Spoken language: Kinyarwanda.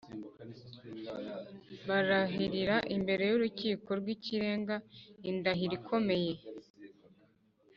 barahirira imbere y Urukiko rw Ikirenga indahiro ikomeye